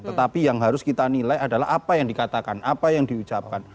tetapi yang harus kita nilai adalah apa yang dikatakan apa yang diucapkan